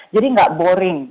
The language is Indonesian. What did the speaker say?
jadi tidak boring